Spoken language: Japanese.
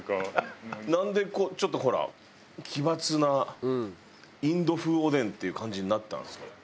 なんでこうちょっとほら奇抜なインド風おでんっていう感じになったんですか？